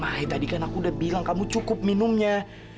ahy tadi kan aku udah bilang kamu cukup minumnya